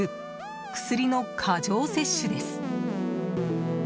薬の過剰摂取です。